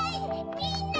みんな！